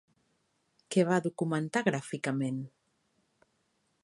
Què va documentar gràficament?